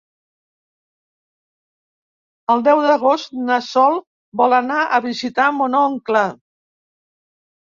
El deu d'agost na Sol vol anar a visitar mon oncle.